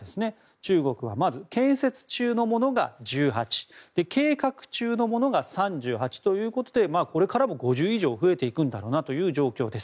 中国は、まず建設中のものが１８計画中のものが３８ということでこれからも５０以上増えていくんだろうなという状況です。